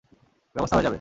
ব্যবস্থা হয়ে যাবে।